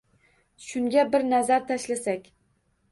Shunga bir nazar tashlasak.